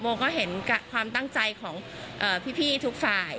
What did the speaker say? ก็เห็นความตั้งใจของพี่ทุกฝ่าย